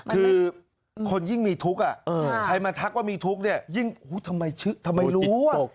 คือคนยิ่งมีทุกข์ใครมาทักว่ามีทุกข์เนี่ยยิ่งทำไมรู้